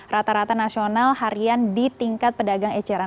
rata rata nasional harian di tingkat pedagang eceran